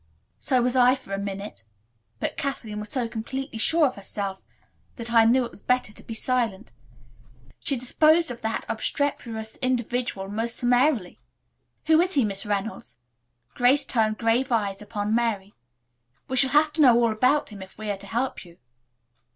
"So was I for a minute, but Kathleen was so completely sure of herself that I knew it was better to be silent. She disposed of that obstreperous individual most summarily. Who is he, Miss Reynolds?" Grace turned grave eyes upon Mary. "We shall have to know all about him if we are to help you."